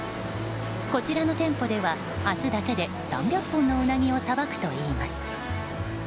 こちらの店舗では、明日だけで３００本のウナギをさばくといいます。